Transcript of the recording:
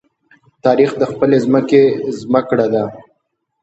تاریخ د خپلې ځمکې زمکړه ده.